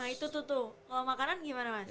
nah itu tuh tuh kalau makanan gimana mas